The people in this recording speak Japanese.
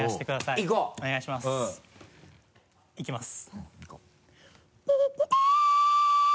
いきます。